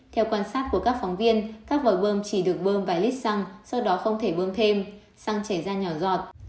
theo quan sát của các phóng viên các vòi bơm chỉ được bơm vài lít xăng sau đó không thể bơm thêm xăng chảy ra nhỏ giọt